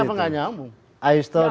kenapa gak nyambung